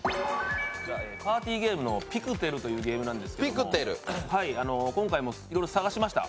パーティーゲームの「ピクテル」というゲームなんですけども今回もいろいろ探しました